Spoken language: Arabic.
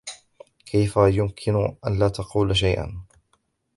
كيف يمكن أن لا تقول شيئاً؟